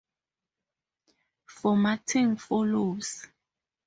Formatting follows.